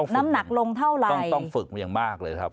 น้ำหนักลงเท่าไหร่ต้องต้องฝึกมาอย่างมากเลยครับ